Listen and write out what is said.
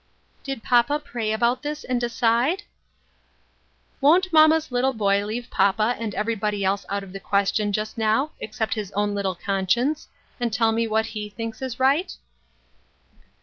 " Did papa pray about this and decide ?"" Won't mamma's little boy leave papa and everybody else out of the question just now, except his own little conscience, and tell me what he thinks is right